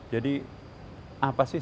jadi apa sih